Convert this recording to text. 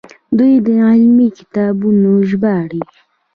دوی علمي کتابونه ژباړي.